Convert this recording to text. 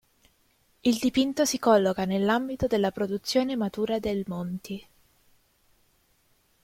Il dipinto si colloca nell'ambito della produzione matura del Monti.